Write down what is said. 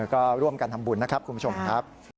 ก็ร่วมกันทำบุญนะครับคุณผู้ชมครับ